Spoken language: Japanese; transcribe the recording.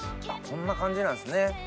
こんな感じなんですね。